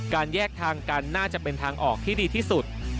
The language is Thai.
แยกทางกันน่าจะเป็นทางออกที่ดีที่สุด